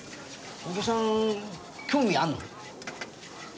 お客さん興味あるの？